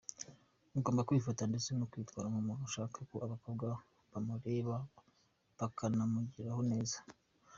Ugomba kwifata ndetse no kwitwara nk’umuntu ushaka ko abakobwa bamureba bakanamuganiraho neza.